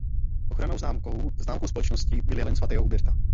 Ochrannou známkou známkou společnosti byl jelen svatého Huberta.